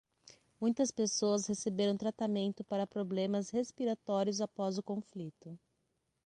Muitas pessoas receberam tratamento para problemas respiratórios após o conflito.